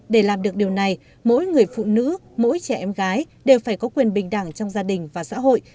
để làm được điều này mỗi người phụ nữ mỗi trẻ em gái đều phải có quyền bình đẳng trong gia đình và xã hội